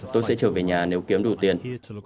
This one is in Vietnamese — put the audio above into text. tôi sẽ trở về nhà nếu kiếm đủ tiền